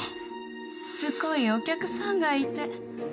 しつこいお客さんがいて。